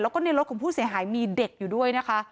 แล้วก็ในรถของผู้เสียหายมีเด็กอยู่ด้วยนะคะ